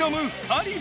２人